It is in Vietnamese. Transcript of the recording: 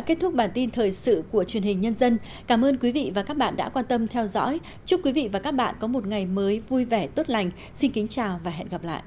cảm ơn các bạn đã theo dõi và hẹn gặp lại